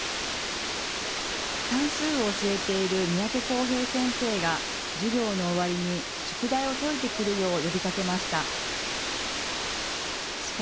算数を教えている三宅倖平先生が、授業の終わりに宿題を解いてくるよう呼びかけました。